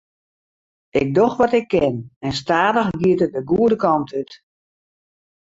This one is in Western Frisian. Ik doch wat ik kin en stadich giet it de goede kant út.